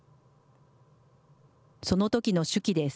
そのときの手記です。